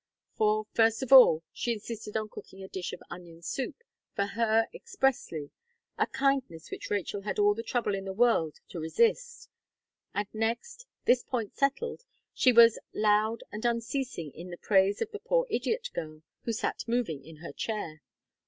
For, first of all, she insisted on cooking a dish of onion soup for her expressly, a kindness which Rachel had all the trouble in the world to resist; and next, this point settled, she was loud and unceasing in the praise of the poor idiot girl, who sat mowing in her chair.